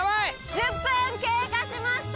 １０分経過しました！